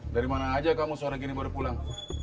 dari mana aja kamu suara gini baru pulang